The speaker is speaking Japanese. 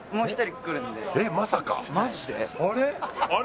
あれ？